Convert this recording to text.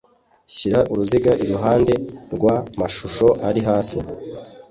Shyira uruziga iruhande rw amashusho ari hasi